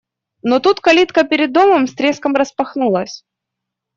Но тут калитка перед домом с треском распахнулась.